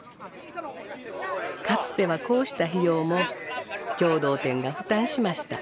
かつてはこうした費用も共同店が負担しました。